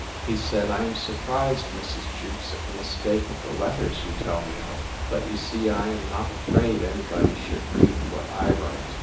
He said, I am surprised, Mrs. Jewkes, at the mistake of the letters you tell me of! But, you see, I am not afraid any body should read what I write.